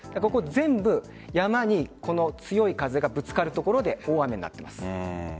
全部、山にこの強い風がぶつかる所で大雨になってます。